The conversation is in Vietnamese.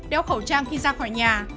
đeo khẩu trang khi ra khỏi nhà